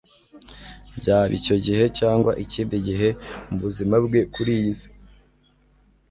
Byaba icyo gihe cyangwa ikindi gihe mu buzima bwe kuri iyi si,